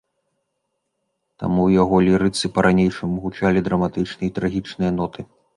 Таму ў яго лірыцы па-ранейшаму гучалі драматычныя і трагічныя ноты.